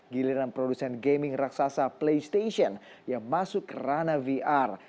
giliran produsen gaming raksasa playstation yang masuk ke rana vr